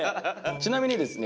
ちなみにですね